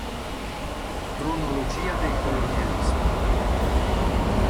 Cronologia del colonialismo